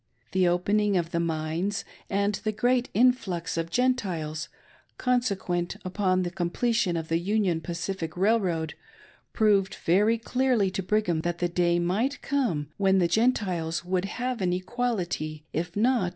The opening of the mines and the great influx of Gentiles, consequent Upon the completion of the Union Pacific Railroad, proved very clearly to Brigham that the day might come when the Gentiles would have an equality, if not a 6o8